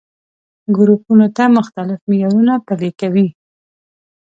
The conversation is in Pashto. ګروپونو ته مختلف معيارونه پلي کوي.